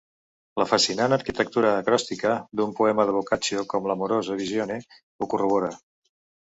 La fascinant arquitectura acròstica d'un poema de Boccaccio com l'Amorosa Visione ho corrobora.